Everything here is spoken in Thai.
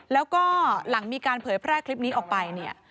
แล้วก็หลังมีการเผยแพร่คลิปนี้ออกไปเนี่ย